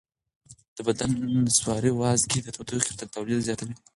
د بدن نسواري وازګې د تودوخې تولید زیاتوي.